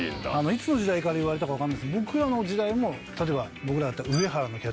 いつの時代から言われたか分かんないですけど僕らの時代も例えば僕らだったら。